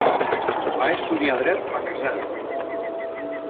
Va estudiar Dret a Kazan.